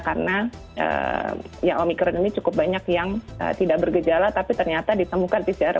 karena ya omikron ini cukup banyak yang tidak bergejala tapi ternyata ditemukan di sisi positif